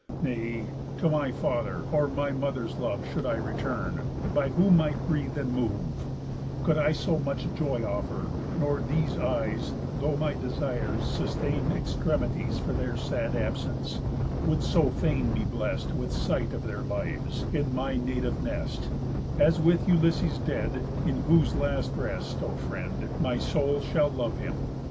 Nay, to my father, or my mother's love Should I return, by whom I breathe and move, Could I so much joy offer; nor these eyes (Though my desires sustain extremities For their sad absence) would so fain be blest With sight of their lives, in my native nest, As with Ulysses dead; in whose last rest, O friend, my soul shall love him.